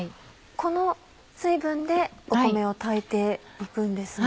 この水分で米を炊いて行くんですね。